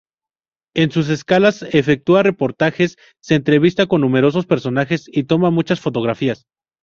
En sus escalas efectúa reportajes, se entrevista con numerosos personajes, y toma muchas fotografías.